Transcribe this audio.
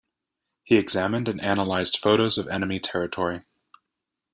He examined and analysed photos of enemy territory.